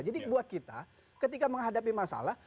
jadi buat kita ketika menghadapi masalah